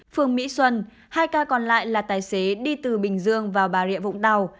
phường mỹ xuân hai ca còn lại là tài xế đi từ bình dương vào bà rịa vũng tàu